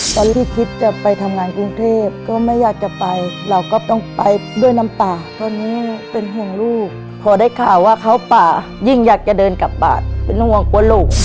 คิดจะไปทำงานกรุงเทพก็ไม่อยากจะไปเราก็ต้องไปด้วยน้ำตาตอนนี้เป็นห่วงลูกพอได้ข่าวว่าเข้าป่ายิ่งอยากจะเดินกลับบ้านเป็นห่วงกลัวลูก